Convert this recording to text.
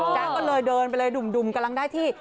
จ๊ะก็เลยเดินไปเลยดุ่มกำลังได้ที่